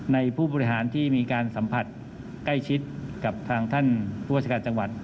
ผู้บริหารที่มีการสัมผัสใกล้ชิดกับทางท่านผู้ราชการจังหวัด